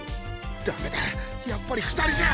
ダメだやっぱり２人じゃ。